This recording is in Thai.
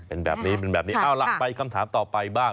เป็นแบบนี้เป็นแบบนี้เอาล่ะไปคำถามต่อไปบ้าง